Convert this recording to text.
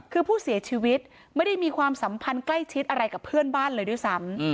คือผู้เสียชีวิตไม่ได้มีความสัมพันธ์ใกล้ชิดอะไรกับเพื่อนบ้านเลยด้วยซ้ำ